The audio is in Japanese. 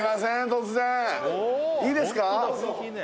突然いいですか？